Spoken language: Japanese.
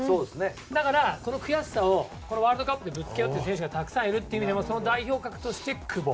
だから、この悔しさをこのワールドカップでぶつけようっていう選手がたくさんいるっていう意味でもその代表格として久保。